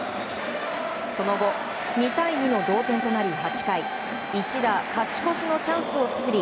その後、２対２の同点となり８回一打、勝ち越しのチャンスを作り